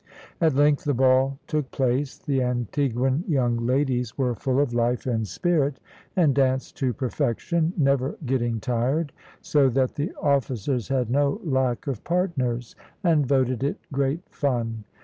At length the ball took place. The Antiguan young ladies were full of life and spirit, and danced to perfection, never getting tired, so that the officers had no lack of partners, and voted it great fun.